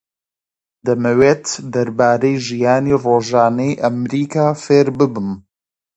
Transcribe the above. دەمەوێت دەربارەی ژیانی ڕۆژانەی ئەمریکا فێر ببم.